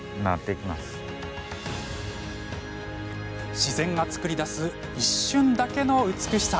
自然が作り出す一瞬だけの美しさ。